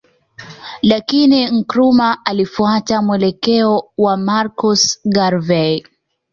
Lakini Nkrumah alifuata mwelekeo wa Marcus Garvey